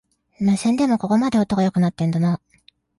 無線でもここまで音が良くなってんだな